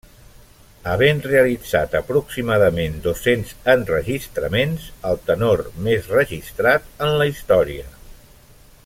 Havent realitzat aproximadament dos-cents enregistraments, el tenor més registrat en la història.